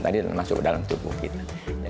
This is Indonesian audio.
tadi masuk ke dalam tubuh kita